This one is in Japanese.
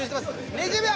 ２０秒。